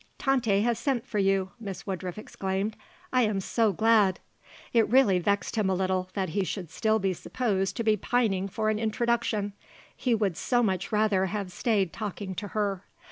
"Tante has sent for you!" Miss Woodruff exclaimed. "I am so glad." It really vexed him a little that he should still be supposed to be pining for an introduction; he would so much rather have stayed talking to her.